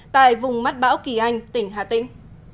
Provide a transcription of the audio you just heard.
tại vùng mắt bão kỳ anh tỉnh hà tĩnh